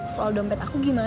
soal dompet aku gimana